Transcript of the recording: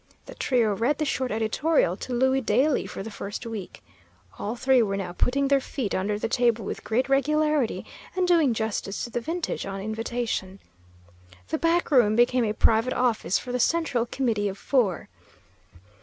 The trio read this short editorial to Louie daily for the first week. All three were now putting their feet under the table with great regularity, and doing justice to the vintage on invitation. The back room became a private office for the central committee of four.